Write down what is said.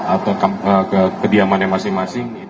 atau ke kediamannya masing masing